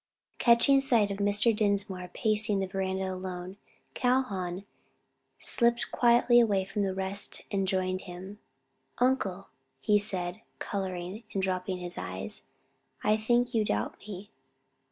Catching sight of Mr. Dinsmore pacing the veranda alone, Calhoun slipped quietly away from the rest and joined him. "Uncle," he said, coloring and dropping his eyes, "I think you doubt me."